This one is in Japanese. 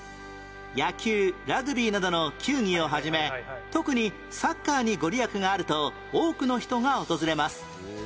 野球ラグビーなどの球技を始め特にサッカーにご利益があると多くの人が訪れます